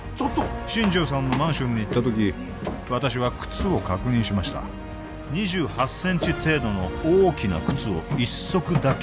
新城さんのマンションに行った時私は靴を確認しました２８センチ程度の大きな靴を一足だけ見つけました